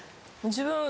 自分。